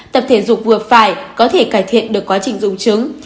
tập thể dục vừa phải có thể cải thiện được quá trình dụng trứng